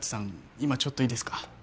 今ちょっといいですか？